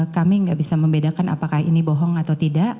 kami nggak bisa membedakan apakah ini bohong atau tidak